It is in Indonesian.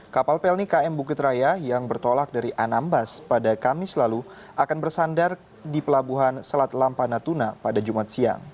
kapal pelni km bukit raya yang bertolak dari anambas pada kamis lalu akan bersandar di pelabuhan selat lampa natuna pada jumat siang